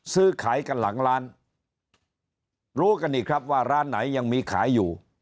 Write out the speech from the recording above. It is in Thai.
ซื้อขายกันหลังร้านรู้กันอีกครับว่าร้านไหนยังมีขายอยู่